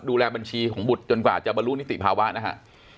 ดูแลบัญชีของบุตรจนกว่าจะบรรลุนิติภาวะนะฮะ